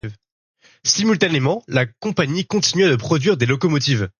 Simultanément la compagnie continuait de produire des locomotives.